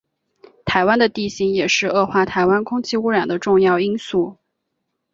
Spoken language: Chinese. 台湾的地形也是恶化台湾空气污染的重要因素。